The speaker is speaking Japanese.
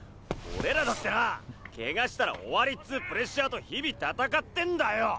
俺らだってなケガしたら終わりっつプレッシャーと日々戦ってんだよ！